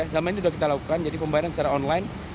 selama ini sudah kita lakukan jadi pembayaran secara online